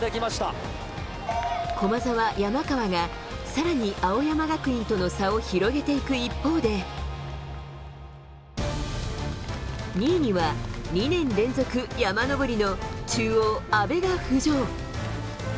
駒澤、山川が、さらに青山学院との差を広げていく一方で、２位には２年連続山上りの中央、阿部が浮上。